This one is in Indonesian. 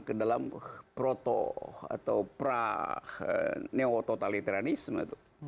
ke dalam proto atau pra neototalitarianisme